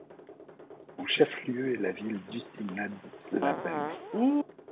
Son chef-lieu est la ville d'Ústí nad Labem.